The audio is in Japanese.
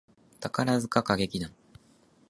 宝塚歌劇団